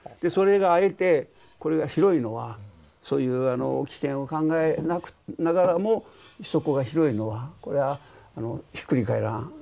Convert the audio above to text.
それがあえてこれが広いのはそういう危険を考えながらも底が広いのはこれはひっくり返らん